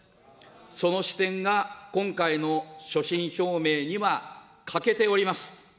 その視点が、今回の所信表明には欠けております。